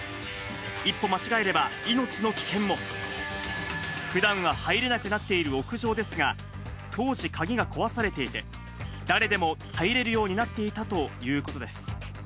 一歩間違えれば命の危険も。ふだんは入れなくなっている屋上ですが、当時、かぎが壊されていて、誰でも入れるようになっていたということです。